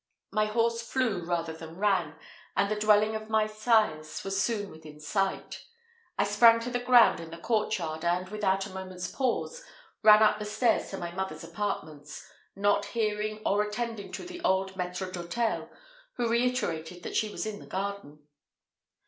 My horse flew rather than ran, and the dwelling of my sires was soon within sight. I sprang to the ground in the courtyard, and, without a moment's pause, ran up the stairs to my mother's apartments, not hearing or attending to the old maître d'hôtel, who reiterated that she was in the garden.